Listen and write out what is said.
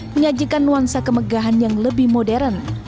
menyajikan nuansa kemegahan yang lebih modern